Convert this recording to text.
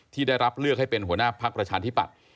ที่ได้รับเลือกให้เป็นหัวหน้าพักประชาธิปัตย